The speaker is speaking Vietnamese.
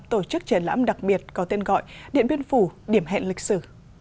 tổ chức triển lãm đặc biệt có tên gọi điện biên phủ điểm hẹn lịch sử